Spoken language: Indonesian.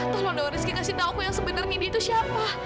tolong dong rizky kasih tau aku yang sebenarnya itu siapa